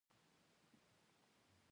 هو، پیسې دلته وې